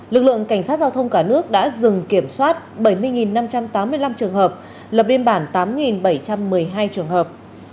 lực lượng cảnh sát giao thông cả nước đã dừng kiểm soát bảy mươi năm trăm tám mươi năm trường hợp lập biên bản tám bảy trăm một mươi hai trường hợp